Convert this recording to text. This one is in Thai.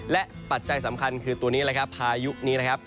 และปัจจัยสำคัญคือตัวนี้เลยครับพายุนี้นะครับ